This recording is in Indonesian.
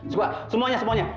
coba semuanya semuanya